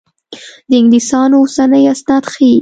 د انګلیسیانو اوسني اسناد ښيي.